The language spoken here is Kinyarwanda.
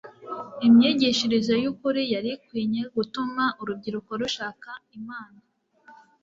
Imyigishirize y'ukuri yari ikwinye gutuma urubyiruko rushaka Imana